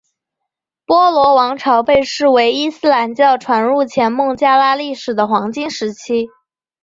波罗王朝被视为伊斯兰教传入前孟加拉历史的黄金时期。